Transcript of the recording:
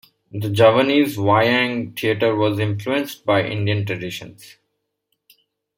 The Javanese "Wayang" theater was influenced by Indian traditions.